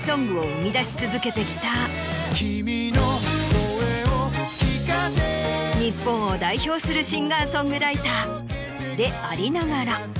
君の声を聞かせて日本を代表するシンガーソングライター。でありながら。